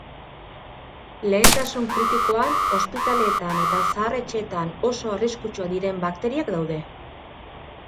Lehentasun kritikoan ospitaleetan eta zahar-etxeetan oso arriskutsuak diren bakteriak daude.